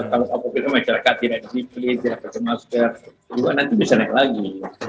karena kalau kita masyarakat tidak di pilih tidak di masker juga nanti bisa naik lagi